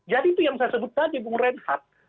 jadi itu yang saya sebut tadi bung renhat